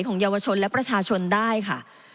เยาวชนและประชาชนได้ค่ะ